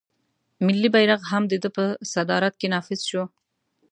ملي بیرغ هم د ده په صدارت کې نافذ شو.